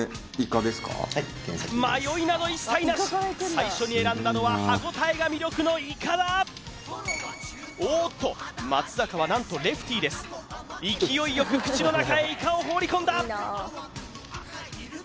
迷いなど一切なし最初に選んだのは歯ごたえが魅力のいかだおおっと松坂は何とレフティーです勢いよく口の中へいかを放り込んだ！